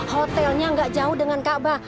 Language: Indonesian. hotelnya gak jauh dengan ka'bah